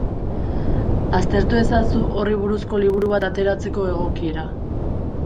Aztertu ezazu horri buruzko liburu bat ateratzeko egokiera.